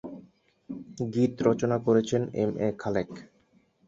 গীত রচনা করেছেন M A Khalek.